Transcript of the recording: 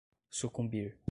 sucumbir